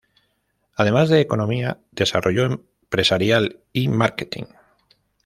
Además de economía, desarrollo empresarial y marketing.